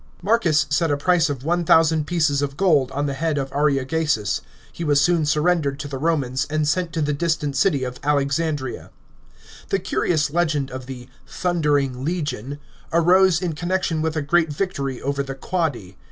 Marcus set a price of 1000 pieces of gold on the head of Ariogsesus ; he was soon sur rendered to the Romans, and sent to the distant city of Alexandria. The curious legend of the " Thundering Legion " arose in con nection with a great victory over the Quadi.